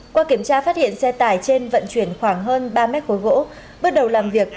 qua kiểm tra phát hiện xe tải trên vận chuyển khoảng hơn ba mét khối gỗ bước đầu làm việc